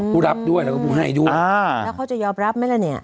ผู้รับด้วยแล้วก็ผู้ให้ด้วยอ่าแล้วเขาจะยอมรับไหมล่ะเนี่ย